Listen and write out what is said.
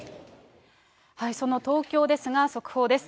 その東京ですが、速報です。